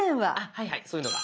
はいはいそういうのが。